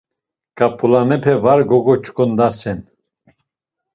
Ǩap̌ulanepe var gogoç̌ǩondasen.